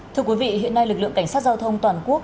thưa quý vị hiện nay lực lượng cảnh sát giao thông toàn quốc